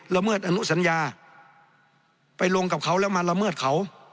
เมิดอนุสัญญาไปลงกับเขาแล้วมาละเมิดเขา